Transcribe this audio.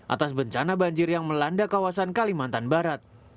atas bencana banjir yang melanda kawasan kalimantan barat